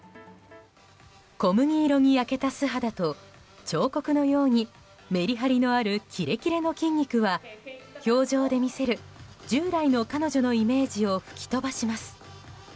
小麦色に焼けた素肌と彫刻のようにメリハリのあるキレキレの筋肉は氷上で見せる従来の彼女のイメージを吹き飛ばします。